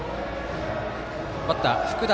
バッター福田